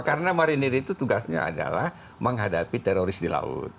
karena marinir itu tugasnya adalah menghadapi teroris di laut